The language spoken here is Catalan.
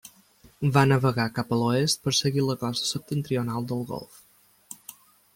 Va navegar cap a l'oest per seguir la costa septentrional del Golf.